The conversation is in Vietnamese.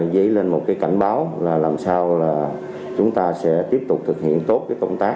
dấy lên một cái cảnh báo là làm sao là chúng ta sẽ tiếp tục thực hiện tốt cái công tác